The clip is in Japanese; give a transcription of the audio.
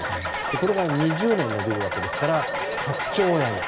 これが２０年延びるわけですから８兆円。